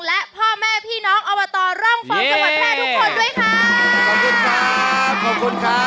และพ่อแม่พี่น้องอปตร่องฟองจังหวัดแพร่ทุกคนด้วยค่ะ